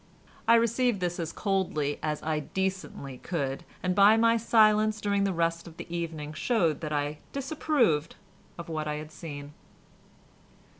I received this as coldly as I decently could, and by my silence during the rest of the evening showed that I disapproved of what I had seen.